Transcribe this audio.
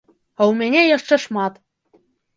А ў мяне яшчэ шмат.